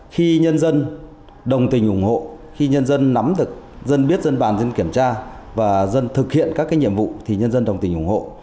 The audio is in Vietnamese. khi nhân dân đồng tình ủng hộ khi nhân dân nắm được dân biết dân bàn dân kiểm tra và dân thực hiện các nhiệm vụ thì nhân dân đồng tình ủng hộ